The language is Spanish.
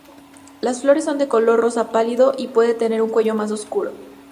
Las flores son de color rosa pálido y puede tener un cuello más oscuro.